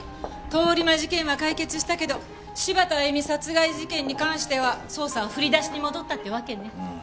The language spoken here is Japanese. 通り魔事件は解決したけど柴田亜弓殺害事件に関しては捜査は振り出しに戻ったってわけね。